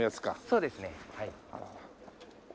そうですねはい。